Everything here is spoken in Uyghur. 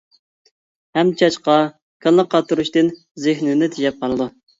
ھەم چاچقا كاللا قاتۇرۇشتىن زېھنىنى تېجەپ قالىدۇ.